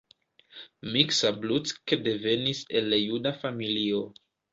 Miksa Bruck devenis el juda familio.